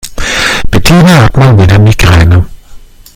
Bettina hat mal wieder Migräne.